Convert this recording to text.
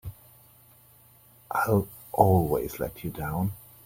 I'll always let you down!